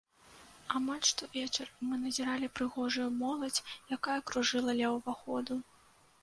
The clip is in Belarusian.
Амаль штовечар мы назіралі прыгожую моладзь, якая кружыла ля ўваходу.